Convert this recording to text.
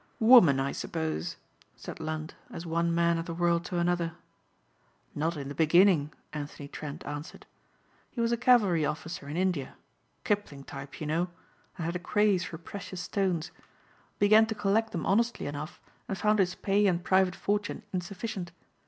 "Woman, I suppose," said Lund, as one man of the world to another. "Not in the beginning," Anthony Trent answered. "He was a cavalry officer in India Kipling type you know and had a craze for precious stones. Began to collect them honestly enough and found his pay and private fortune insufficient.